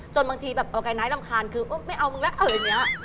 จนบางทีโอเคไนท์รำคาญคือไม่เอามึงละ